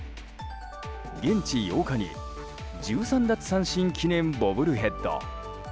現地８日に１３奪三振記念ボブルヘッド。